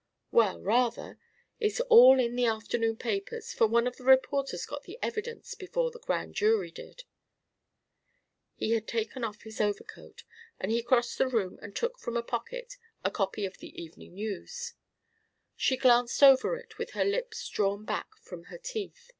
"Well, rather. It's all in the afternoon papers, for one of the reporters got the evidence before the Grand Jury did." He had taken off his overcoat, and he crossed the room and took from a pocket a copy of The Evening News. She glanced over it with her lips drawn back from her teeth.